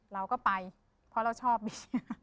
เราก็ไปเพราะเราชอบมี